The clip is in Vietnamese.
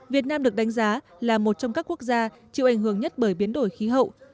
việt nam được đánh giá là một trong các quốc gia chịu ảnh hưởng nhất bởi biến đổi khí hậu